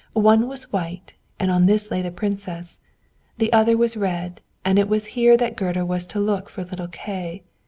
One was white, and in this lay the Princess: the other was red, and it was here that Gerda was to look for little Kay.